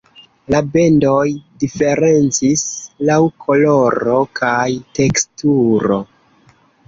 La bendoj diferencis laŭ koloro kaj teksturo.